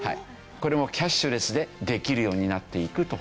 これもキャッシュレスでできるようになっていくと。